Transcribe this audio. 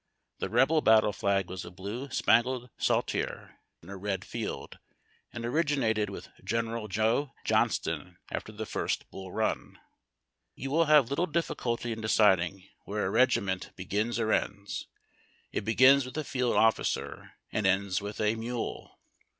The Rebel battle flag was a blue spangled saltier in a red field, and originated with General Joe John ston after the first Bull Run. You will have little difficulty in deciding where a regi BREAKING CAMP. — ON TUE MARCH. 341 meiit begins or ends. It begins with a field officer and ends with a nmle.